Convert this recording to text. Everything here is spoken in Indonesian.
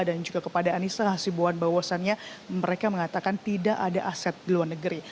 dan juga kepada anissa sibuan bahwasannya mereka mengatakan tidak ada aset di luar negeri